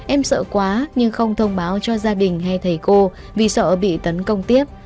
em sợ quá nhưng không thông báo cho gia đình hay thầy cô vì sợ bị tấn công tiếp